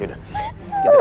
yaudah kita ke kamar genzo ya